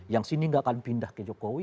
yang sini nggak akan pindah ke jokowi